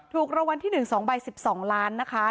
ถูกรวรรณที่๑สองใบ๑๒ล้านนะคะ